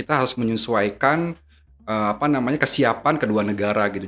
apa namanya kesiapan kedua negara gitu